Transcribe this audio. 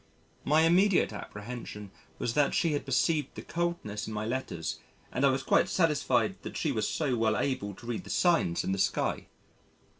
My immediate apprehension was that she had perceived the coldness in my letters and I was quite satisfied that she was so well able to read the signs in the sky.